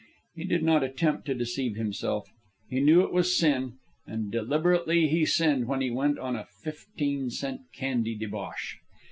He did not attempt to deceive himself. He knew it was sin, and deliberately he sinned when he went on a fifteen cent candy debauch.